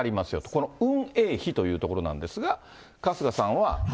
この運営費というところなんですが、春日さんは。